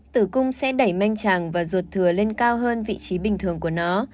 tử cung sẽ đẩy manh tràng và ruột thừa lên cao hơn vị trí bình thường của nó